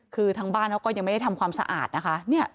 คือทางบ้านเขาก็ยังไม่ได้ทำความสะอาดนะคะ